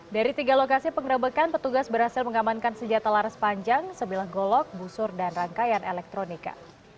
dari tiga lokasi pengerebekan petugas berhasil mengamankan senjata laras panjang sebilah golok busur dan rangkaian elektronika